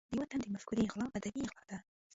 د یو تن د مفکورې غلا ادبي غلا ده.